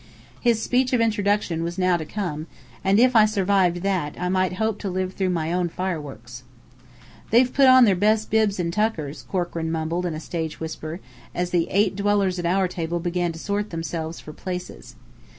His speech of introduction was now to come, and if I survived that, I might hope to live through my own fireworks. "They've put on their best bibs and tuckers," Corkran mumbled in a stage whisper, as the eight dwellers at our table began to sort themselves for places.